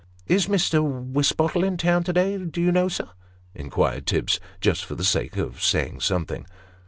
"Is Mr. Wisbottle in town to day, do you know, sir?" inquired Tibbs, just for the sake of saying something.